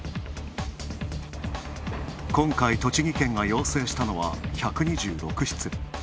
今回、栃木県が要請したのは１２６室。